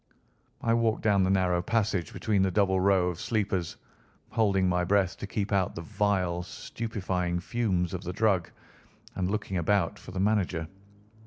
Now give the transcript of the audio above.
I walked down the narrow passage between the double row of sleepers, holding my breath to keep out the vile, stupefying fumes of the drug, and looking about for the manager.